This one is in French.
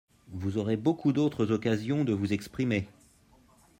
Vous aurez beaucoup d’autres occasions de vous exprimer.